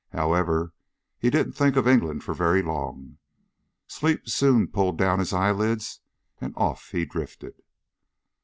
However, he didn't think of England for very long. Sleep soon pulled down his eyelids and off he drifted.